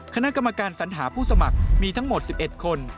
คณะกรรมการสัญหาผู้สมัครมีทั้งหมด๑๑คน